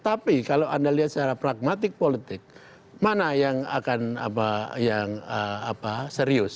tapi kalau anda lihat secara pragmatik politik mana yang akan apa yang apa serius